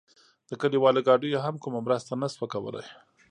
د کلیوالو ګاډیو هم کومه مرسته نه شوه کولای.